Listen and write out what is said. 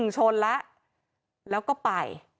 ชนแล้วแล้วก็ไป